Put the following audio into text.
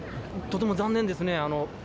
とても残念ですね。